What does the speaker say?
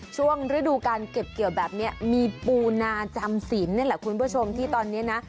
ช่วงฤดูการเก็บเกี่ยวแบบนี้มีปูนาจำสินนี่แหละคุณผู้ชมที่ตอนนี้นะ